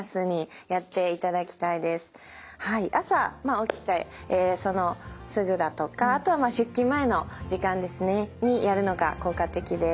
朝起きてすぐだとかあとは出勤前の時間ですねにやるのが効果的です。